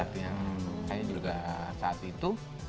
kayaknya juga saat itu